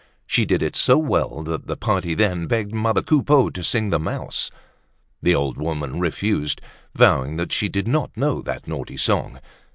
She did it so well that the party then begged mother Coupeau to sing "The Mouse." The old woman refused, vowing that she did not know that naughty song.